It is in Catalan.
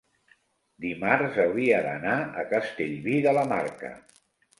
dimarts hauria d'anar a Castellví de la Marca.